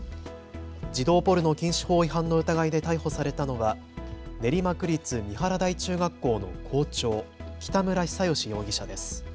児童ポルノ禁止法違反の疑いで逮捕されたのは練馬区立三原台中学校の校長、北村比左嘉容疑者です。